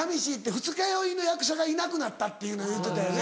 二日酔いの役者がいなくなったっていうの言うてたよね。